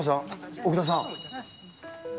奥田さん。